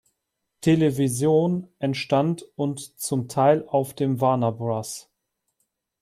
Television" entstand und zum Teil auf dem "Warner-Bros.